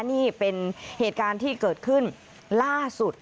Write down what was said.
นี่เป็นเหตุการณ์ที่เกิดขึ้นล่าสุด